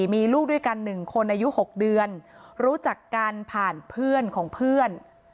มีลูกด้วยกัน๑คนอายุ๖เดือนรู้จักกันผ่านเพื่อนของเพื่อน